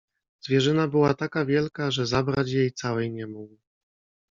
"Zwierzyna była taka wielka, że zabrać jej całej nie mógł!"